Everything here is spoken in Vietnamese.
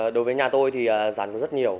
đối với nhà tôi thì rán rất nhiều